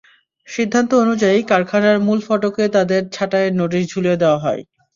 সিদ্ধান্ত অনুযায়ী, কারখানার মূল ফটকে তাঁদের ছাঁটাইয়ের নোটিশ ঝুলিয়ে দেওয়া হয়।